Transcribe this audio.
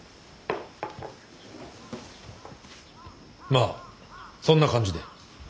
まあそんな感じで。